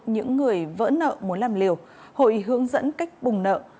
những người vỡ nợ muốn làm liều hội hướng dẫn cách bùng nợ